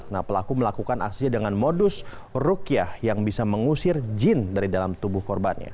nah pelaku melakukan aksinya dengan modus rukyah yang bisa mengusir jin dari dalam tubuh korbannya